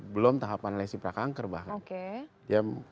belum tahapan lesi prakanker bahkan